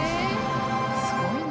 すごいな。